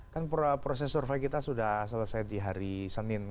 kan proses survei kita sudah selesai di hari senin